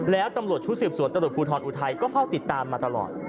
แล้วตำรวจชุดศิลป์สวนตรุษภูทรอุไทยก็เฝ้าติดตามมาตลอด